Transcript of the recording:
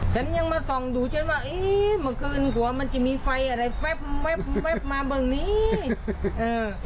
ฉันยังมาส่องดูฉันว่าอีมาคืนหัวมันจะมีไฟอะไรแวบแวบแวบมาเบิ่งนี้เออ